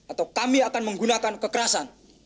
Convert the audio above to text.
atau kami akan menggunakan kekerasan